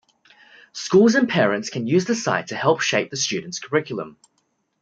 Schools and parents can use the site to help shape the student's curriculum.